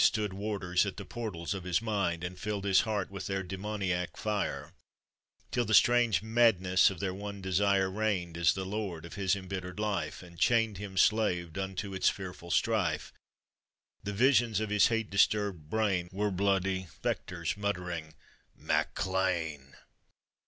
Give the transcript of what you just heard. Stood warders at the portals of his mind, And filled his heart with their demoniac fire, Till the strange madness of their one desire Reigned as the lord of his embittered life, And chained him slaved unto its fearful strife — The visions of his hate disturbed brain Were bloody specters muttering " MacLean !